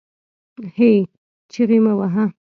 هې ! چیغې مه واهه